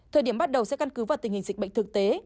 thời điểm bắt đầu sẽ căn cứ vào tình hình dịch bệnh thực tế